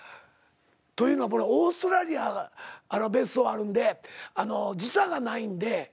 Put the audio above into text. というのはオーストラリア別荘あるんで時差がないんでオーストラリアは。